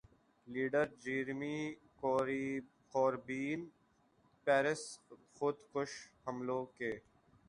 leader Jeremy Corbyn Paris خودکش حملوں کے